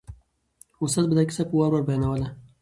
استاد به دا کیسه په وار وار بیانوله.